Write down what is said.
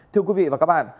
thưa quý vị và các bạn